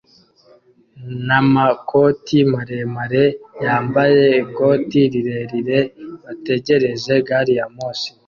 namakoti maremare yambaye ikoti rirerire bategereje gari ya moshi